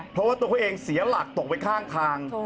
เพราะว่าตัวเขาเองเสียหลักตกไปข้างทาง